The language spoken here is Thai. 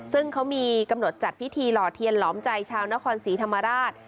ซึ่งเขามีกำหนดจัดพิธีหล่อเทียนหลอมใจชาวนครศรีธรรมราช